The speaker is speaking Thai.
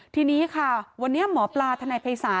ทีนี้ค่ะวันนี้หมอปลาธนไนย์เพย์ศาล